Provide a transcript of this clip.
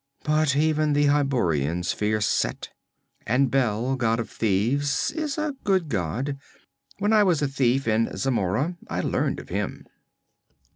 But even the Hyborians fear Set. And Bel, god of thieves, is a good god. When I was a thief in Zamora I learned of him.'